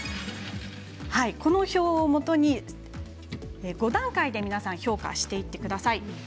この表をもとに、５段階で皆さん評価していってください。